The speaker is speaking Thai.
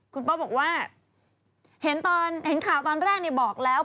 คุณโป๊ปบอกว่าเห็นข่าวตอนแรกนี่บอกแล้ว